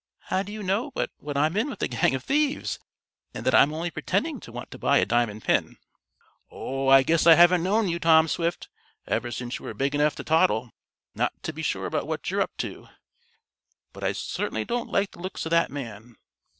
"How do you know but what I'm in with a gang of thieves, and that I'm only pretending to want to buy a diamond pin?" "Oh, I guess I haven't known you, Tom Swift, ever since you were big enough to toddle, not to be sure about what you're up to. But I certainly didn't like the looks of that man.